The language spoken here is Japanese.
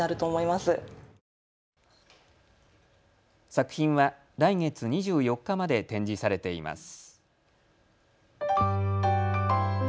作品は来月２４日まで展示されています。